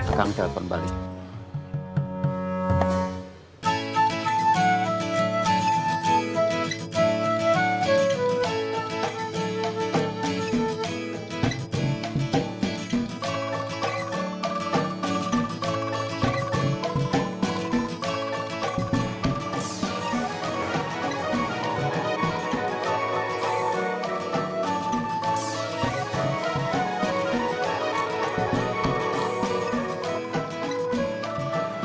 akan telpon balik